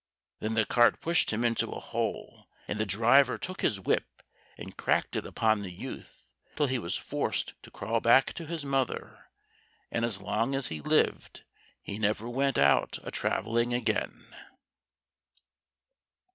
Then the cart pushed him into a hole, and the driver took his whip and cracked it upon the youth, till he was forced to crawl back to his mother, and as long as he lived he never went out a travelling again.